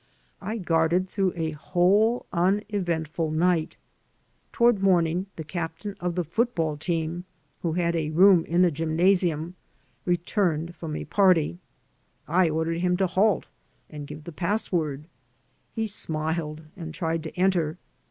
I guarded through a whole uneventful night. Toward morning the captain of the football team, who had a room in the gymnasium, returned from a party. I ordered him to halt and give the password. He smiled and tried to enter.